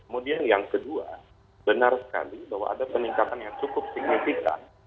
kemudian yang kedua benar sekali bahwa ada peningkatan yang cukup signifikan